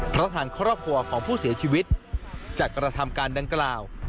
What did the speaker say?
เพราะทางครอบครัวของผู้เสียชีวิตจะกระทำการดังกล่าว